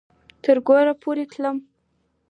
تر کوره پورې تلم